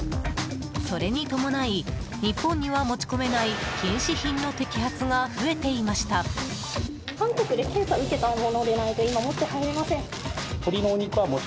それに伴い日本には持ち込めない禁止品の摘発が増えていました。